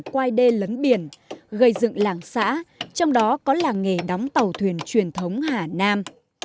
qua đê lấn biển gây dựng làng xã trong đó có làng nghề đóng tàu thuyền truyền thống hà nam